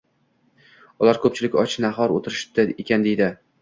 Ular koʻpchilik, och-nahor oʻtirishibdi ekan, deydi